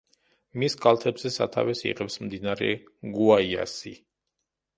მის კალთებზე სათავეს იღებს მდინარე გუაიასი.